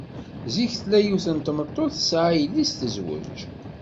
Zik tella yiwet n tmeṭṭut tesɛa yelli-s tezwej.